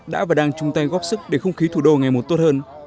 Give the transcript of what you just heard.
đã và đang chung tay góp sức để không khí thủ đô ngày một tốt hơn